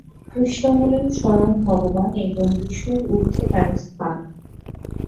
কৃষ্ণ হলেন স্বয়ং ভগবান এবং বিষ্ণুর উর্ধ্বে তার স্থান।